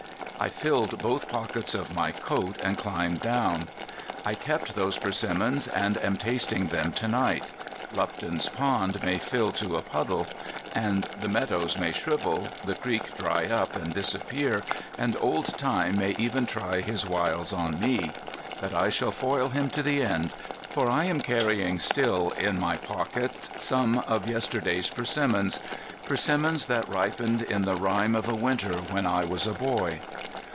I filled both pockets of my coat and climbed down. I kept those persimmons and am tasting them to night. Lupton's Pond may fill to a puddle, the meadows may shrivel, the creek dry up and disappear, and old Time may even try his wiles on me. But I shall foil him to the end; for I am carrying still in my pocket some of yesterday's persimmons,—persimmons that ripened in the rime of a winter when I was a boy.